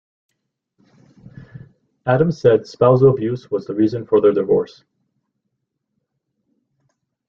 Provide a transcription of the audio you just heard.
Adams said spousal abuse was the reason for their divorce.